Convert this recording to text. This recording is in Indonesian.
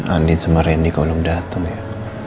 andi sama rendy kalo belum dateng ya